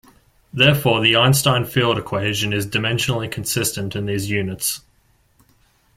Therefore the Einstein field equation is dimensionally consistent in these units.